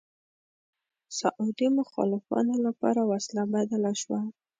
سعودي مخالفانو لپاره وسله بدله شوه